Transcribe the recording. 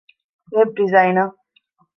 ވެބް ޑިޒައިނަރ